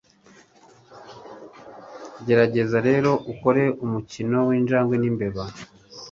Gerageza rero ukore umukino w'injangwe n'imbeba